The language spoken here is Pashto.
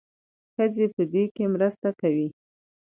ښځې په دې کې مرسته کوي.